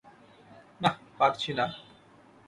না, পারছি না।